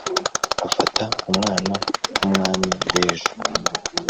bafata umwana nk’umwami w’ejo,